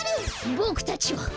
ボクたちは。